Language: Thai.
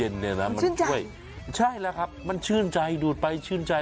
เอามาเผื่อผมก็ดี